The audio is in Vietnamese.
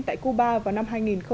tại cuba vào năm hai nghìn bốn